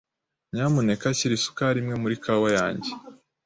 Nyamuneka shyira isukari imwe muri kawa yanjye.